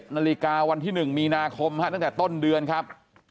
นาฬิกาวันที่๑มีนาคมตั้งแต่ต้นเดือนครับ